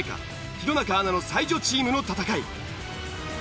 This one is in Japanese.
弘中アナの才女チームの戦い。